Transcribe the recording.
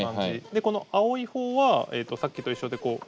でこの青い方はさっきと一緒でこう。